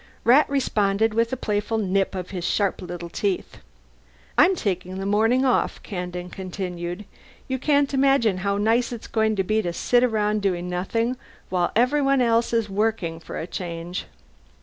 Rat responded with a playful nip of his sharp little teeth. "I'm taking the morning off," Kandin continued. "You can't imagine how nice it's going to be to sit around doing nothing while everyone else is working, for a change."